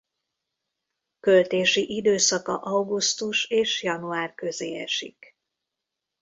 Költési időszaka augusztus és január közé esik.